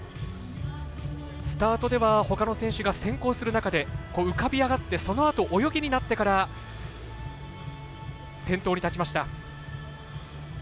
スタートではほかの選手が先行する中で浮かび上がって、そのあと泳ぎになってから先頭に立ちました。